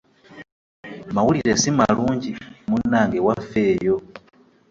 Mawulire si malungi munnange ewaffe eyo!